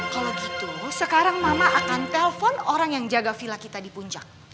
kalau gitu sekarang mama akan telpon orang yang jaga villa kita di puncak